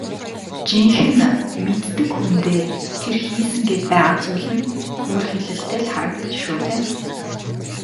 Жинхэнэ мэддэг хүндээ тэр хийсэн гээд байгаа зүйл нь хөөрхийлөлтэй л харагдана шүү дээ.